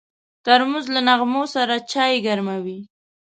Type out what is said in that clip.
ترموز له نغمو سره چای ګرموي.